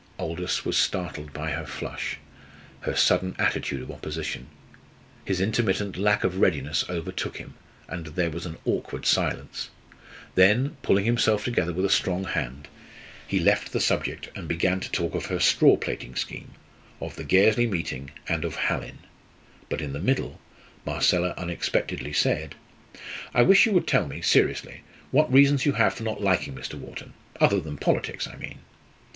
Aldous was startled by her flush, her sudden attitude of opposition. His intermittent lack of readiness overtook him, and there was an awkward silence. Then, pulling himself together with a strong hand, he left the subject and began to talk of her straw plaiting scheme, of the Gairsley meeting, and of Hallin. But in the middle Marcella unexpectedly said: "I wish you would tell me, seriously, what reasons you have for not liking Mr. Wharton? other than politics, I mean?"